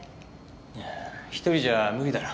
いや１人じゃあ無理だろう。